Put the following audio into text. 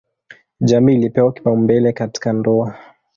Jamii ilipewa kipaumbele katika ndoa.